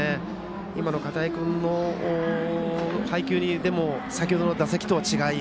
今の片井君の配球を見ても先程の打席とは違い